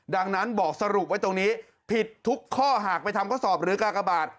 ดังนั้นบอกสรุปไว้ตรงนี้ผิดทุกข้อหากไปทำข้อสอบหรือกากบาท